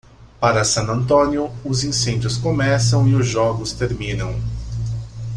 Para San Antonio, os incêndios começam e os jogos terminam.